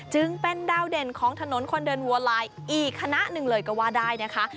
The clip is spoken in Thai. จึงเป็นดาวเด่นของถนนคนเดินวัวลายอีกคณะหนึ่งเลยก็ว่าได้นะคะ